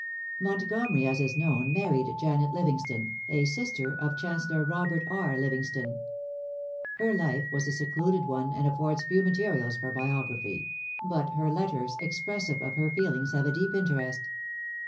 Montgomery, as is known, married Janet Livingston, a sister of Chancellor Robert R. Livingston. Her life was a secluded one, and affords few materials for biography; but her letters expressive of her feelings have a deep interest.